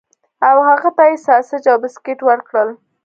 او هغه ته یې ساسج او بسکټ ورکړل